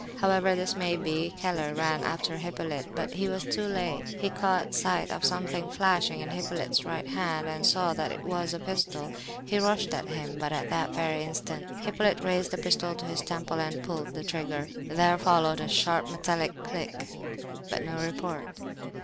However this may be, Keller ran after Hippolyte, but he was too late. He caught sight of something flashing in Hippolyte's right hand, and saw that it was a pistol. He rushed at him, but at that very instant Hippolyte raised the pistol to his temple and pulled the trigger. There followed a sharp metallic click, but no report.